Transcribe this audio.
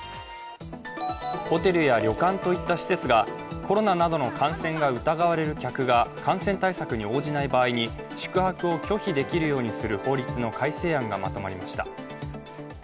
ホテルや旅館といった施設がコロナなどの感染が疑われる客が感染対策に応じない場合に宿泊を拒否できるようにする法律の改正案がまとまりました。